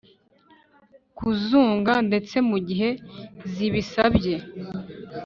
kuzunga ndetse mu gihe zibisabye